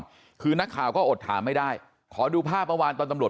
คือนักข่าวก็อดถามไม่ได้ขอดูภาพเมื่อวานตอนตำรวจ